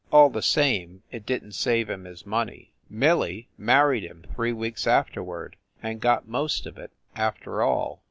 All the same it didn t save him his money. Millie married him three weeks afterward and got most of it after all.